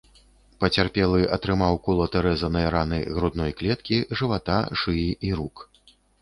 Пацярпелы атрымаў колата-рэзаныя раны грудной клеткі, жывата, шыі і рук.